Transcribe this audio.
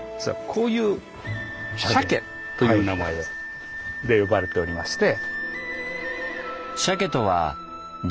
こういう「社家」という名前で呼ばれておりまして。